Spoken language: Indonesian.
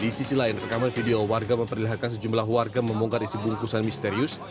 di sisi lain rekaman video warga memperlihatkan sejumlah warga membongkar isi bungkusan misterius